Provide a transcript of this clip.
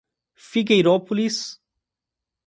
Figueirópolis